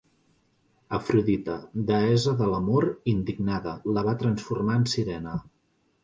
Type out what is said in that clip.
Afrodita, deessa de l'amor, indignada, la va transformar en sirena.